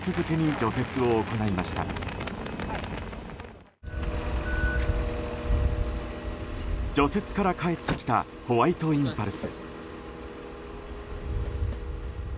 除雪から帰ってきたホワイトインパルス。